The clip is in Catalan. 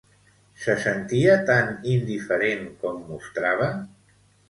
Se sentia tan indiferent com mostrava?